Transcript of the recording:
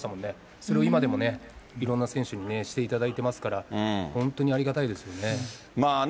それを今でもね、いろんな選手にしていただいてますから、本当にありがたいですよね。